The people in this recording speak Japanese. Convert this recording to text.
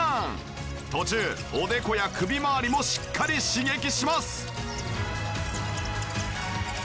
途中おでこや首まわりもしっかり刺激します。